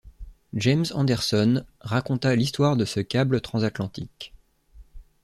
James Anderson raconta l’histoire de ce câble transatlantique